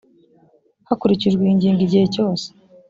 hakurikijwe iyi ngingo igihe cyose.